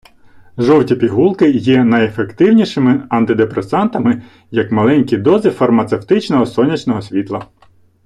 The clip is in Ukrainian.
Жовті пігулки є найефективнішими антидепресантами, як маленькі дози фармацевтичного сонячного світла.